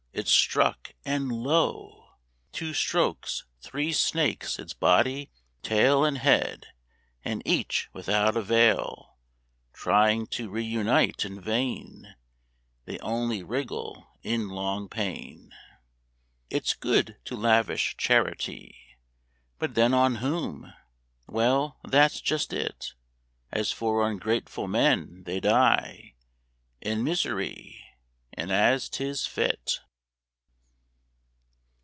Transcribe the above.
It struck, and, lo! Two strokes three snakes its body, tail, And head; and each, without avail, Trying to re unite in vain, They only wriggle in long pain. It's good to lavish charity; But then on whom? Well, that's just it. As for ungrateful men, they die In misery, and as 'tis fit.